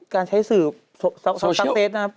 การใช้สื่อสักเศษนะครับ